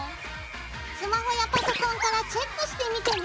スマホやパソコンからチェックしてみてね。